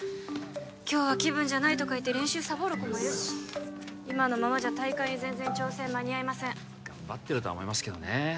今日は気分じゃないとか言って練習サボる子もいるし今のままじゃ大会に全然調整間に合いません頑張ってるとは思いますけどね